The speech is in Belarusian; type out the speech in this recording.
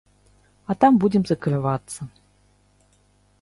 А там будзем закрывацца.